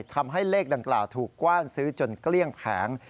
ทำให้เลขดังกล่าวถูกกว้านซื้อจนเกลี้ยงแผง